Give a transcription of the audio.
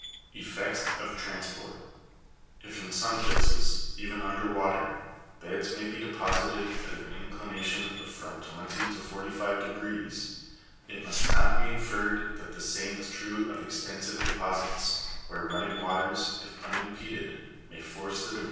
34. Effects of transport. If in some places, even under water, beds may be deposited at an inclination of from twenty to forty five degrees, it must not be inferred that the same is true of extensive deposits, where running waters, if unimpeded, may force the debris in every direction.